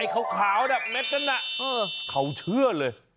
ขาวเม็ดนั้นเขาเชื่อเลย